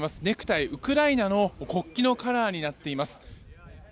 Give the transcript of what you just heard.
ネクタイ、ウクライナの国旗のカラーになっています。